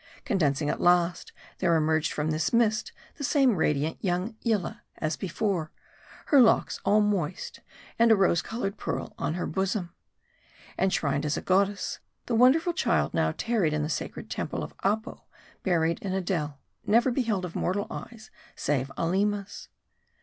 Condensing at last, there emerged from this mist the same radiant young Yillah as before ; her locks all moist, and a rose colored pearl on her bosom. Enshrined as a goddess, the wonderful child now tarried in the sacred temple of Apo, buried in a dell ; never beheld of mortal eyes save Aleema's.